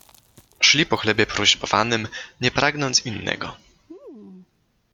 Szli po chlebie prośbowanym, nie pragnąc innego.